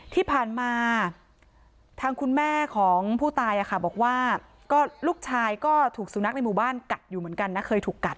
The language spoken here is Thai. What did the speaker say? ที่ผ่านมาทางคุณแม่ของผู้ตายบอกว่าก็ลูกชายก็ถูกสุนัขในหมู่บ้านกัดอยู่เหมือนกันนะเคยถูกกัด